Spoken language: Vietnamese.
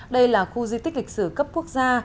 đây là khu di tích lịch sử cấp quốc gia